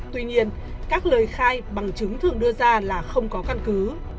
tuy nhiên các lời khai bằng chứng thường đưa ra là không có căn cứ